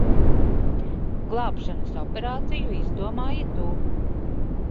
Glābšanas operāciju izdomāji tu.